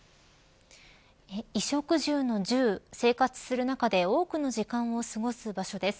衣食住の住生活する中で多くの時間を過ごす場所です。